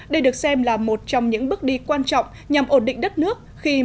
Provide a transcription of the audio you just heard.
đây được xem là một trong những bước đi quan trọng nhằm ổn định đất nước